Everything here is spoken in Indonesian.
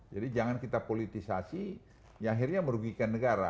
jadi jangan kita politisasi yang akhirnya merugikan negara